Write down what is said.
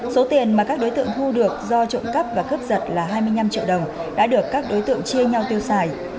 số tiền mà các đối tượng thu được do trộm cắp và cướp giật là hai mươi năm triệu đồng đã được các đối tượng chia nhau tiêu xài